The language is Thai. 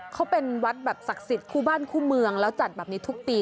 เขาเป็นวัดสักศิรษย์ขู่บ้านคู่เมืองแล้วจัดแบบนี้ทุกปี